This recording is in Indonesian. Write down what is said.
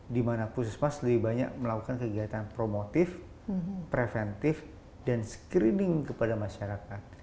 dimana pusat semestinya lebih banyak melakukan kegiatan promotif preventif dan screening kepada masyarakat